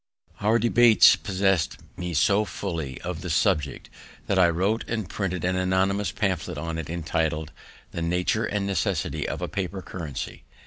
Our debates possess'd me so fully of the subject, that I wrote and printed an anonymous pamphlet on it, entitled "The Nature and Necessity of a Paper Currency."